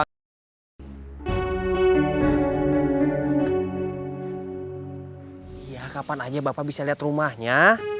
ya kapan aja bapak bisa lihat rumahnya